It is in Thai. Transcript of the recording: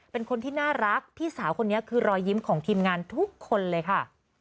เป็นคนที่น่ารักพี่สาวคนนี้คือรอยยิ้มของทีมงานทุกคนเลยค่ะ